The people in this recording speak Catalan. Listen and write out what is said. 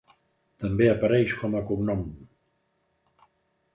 També apareix com a cognom.